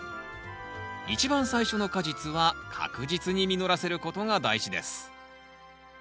一番最初の果実は確実に実らせることが大事です。